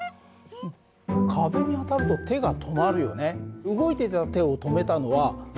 壁に当たると手が止まるよね。